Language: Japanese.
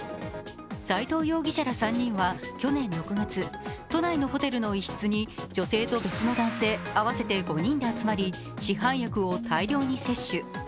斉藤容疑者ら３人は去年６月都内のホテルに女性と別の男性合わせて５人で集まり市販薬を大量に摂取。